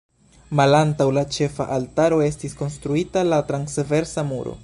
Malantaŭ la ĉefa altaro estis konstruita la transversa muro.